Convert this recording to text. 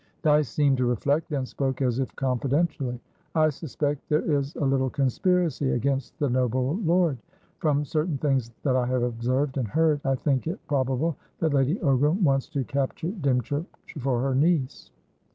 Dyce seemed to reflect; then spoke as if confidentially. "I suspect there is a little conspiracy against the noble lord. From certain things that I have observed and heard, I think it probable that Lady Ogram wants to capture Dymchurch for her niece."